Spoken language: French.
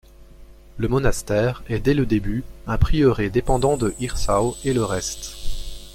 Le monastère est dès le début un prieuré dépendant de Hirsau et le reste.